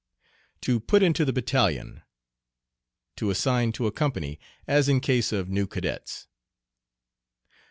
"To put into the battalion." To assign to a company, as in case of new cadets.